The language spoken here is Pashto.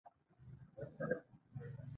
حملې وکړي.